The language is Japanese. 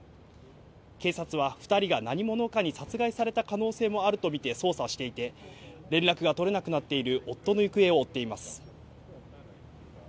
警察は、２人が何者かに殺害された可能性もあると見て捜査していて、連絡が取れなくなっている夫の行方を追っています。